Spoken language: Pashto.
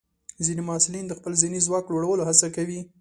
ځینې محصلین د خپل ذهني ځواک لوړولو هڅه کوي.